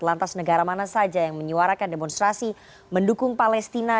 lantas negara mana saja yang menyuarakan demonstrasi mendukung palestina